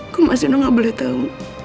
kok mas zino gak boleh tau